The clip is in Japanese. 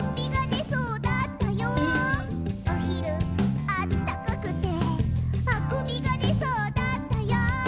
「おひる、あったかくてあくびがでそうだったよ」